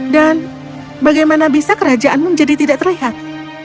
dan bagaimana bisa kerajaanmu menjadi tidak terlihat